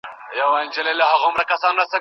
مینې او حوصله ماشوم ته باور ورکوي.